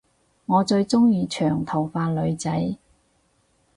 我最鐘意長頭髮女仔